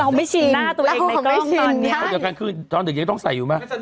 เราไม่ชิงพร้อมไม่ชินเด็กต้องใส่อยู่มั้ย